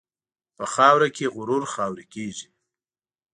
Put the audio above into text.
په خاوره کې غرور خاورې کېږي.